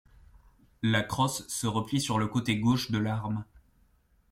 La crosse se replie sur le côté gauche de l'arme.